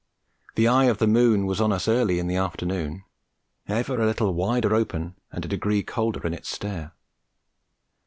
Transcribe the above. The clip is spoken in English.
The eye of the moon was on us early in the afternoon, ever a little wider open and a degree colder in its stare.